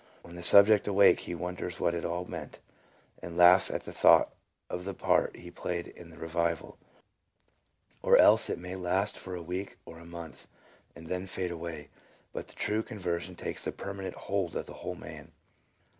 When the subject awakes he wonders what it all meant, and laughs at the thought of the part he played in the revival ; or else it may last for a week or a month and then fade away. But the true conversion takes a permanent hold of the whole man.